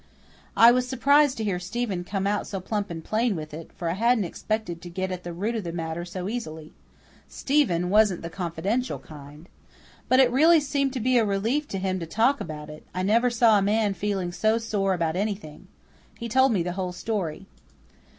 I was surprised to hear Stephen come out so plump and plain about it, for I hadn't expected to get at the root of the matter so easily. Stephen wasn't the confidential kind. But it really seemed to be a relief to him to talk about it; I never saw a man feeling so sore about anything. He told me the whole story.